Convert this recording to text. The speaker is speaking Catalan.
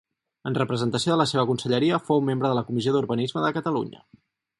En representació de la seva conselleria fou membre de la Comissió d'Urbanisme de Catalunya.